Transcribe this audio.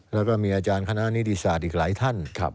แล้วก็มีอาจารย์คณะนิติศาสตร์อีกหลายท่าน